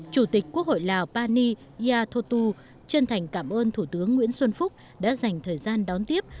chủ tịch quốc hội lào pani yathotu chân thành cảm ơn thủ tướng nguyễn xuân phúc đã dành thời gian đón tiếp